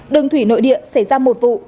đường thủy nội địa xảy ra một vụ